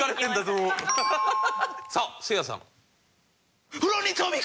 さあせいやさん。